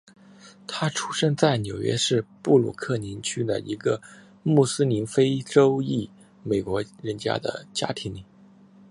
他出生在纽约市布鲁克林区的一个穆斯林非洲裔美国人的家庭里。